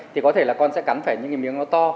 thì có thể là con sẽ cắn những miếng nó to